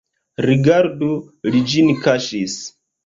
Rigardu, li ĝin kaŝis!